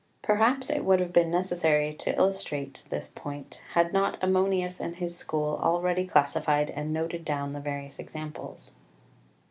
Perhaps it would have been necessary to illustrate this point, had not Ammonius and his school already classified and noted down the various examples.